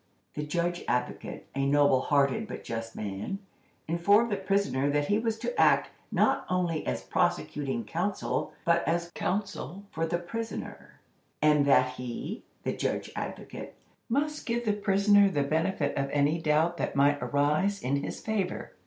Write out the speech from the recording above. The Judge Advocate, a noble hearted but just man, informed the prisoner that he was to act, not only as "prosecuting counsel," but as "counsel" for the prisoner, and that he (the Judge Advocate) must give the prisoner the benefit of any doubt that might arise in his favor.